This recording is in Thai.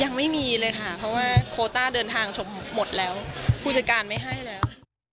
ยังไม่มีเลยค่ะเพราะว่าโคต้าเดินทางชมหมดแล้วผู้จัดการไม่ให้แล้ว